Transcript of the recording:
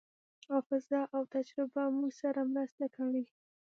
حافظه او تجربه موږ سره مرسته کوي.